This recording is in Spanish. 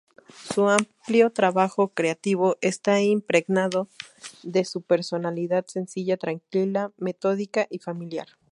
Su amplio trabajo creativo está impregnado de su personalidad sencilla, tranquila, metódica y familiar.